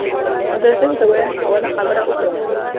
او د هغې د دوايانو پۀ حواله خبره اوکړم